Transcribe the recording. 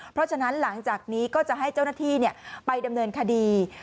เพราะฉะนั้นหลังจากนี้ก็จะให้เจ้าหน้าที่ไปดำเนินคดี